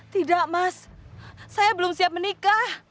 tidak mas saya belum siap menikah